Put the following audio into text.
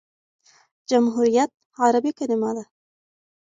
جمهوریت عربي کلیمه ده.